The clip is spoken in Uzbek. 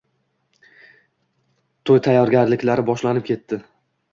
Toʻy tayyorgarliklari boshlanib ketdi.